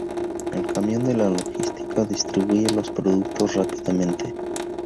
El camión de logística distribuye los productos rápidamente